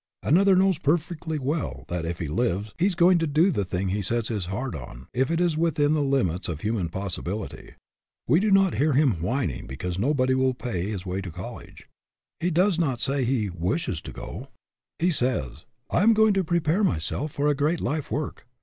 Another knows perfectly well that, if he lives, he is going to do the thing he sets his heart on if it is within the limits of human possibility. We do not hear him whining be cause nobody will pay his way to college. He does not say he "wishes" he could go. He n8 AN OVERMASTERING PURPOSE says, " I am going to prepare myself for a great life work.